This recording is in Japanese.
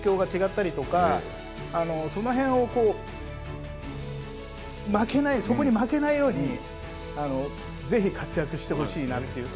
環境が違ったりとかその辺を負けないそこに負けないようにぜひ活躍してほしいなと。